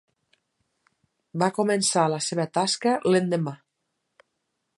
Va començar la seva tasca l'endemà.